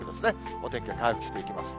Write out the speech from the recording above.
お天気は回復していきます。